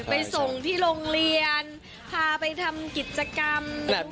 ไปส่งที่โรงเรียนพาไปทำกิจกรรม